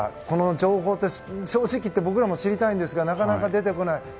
この情報、正直言って僕らも知りたいんですがなかなか出てこない。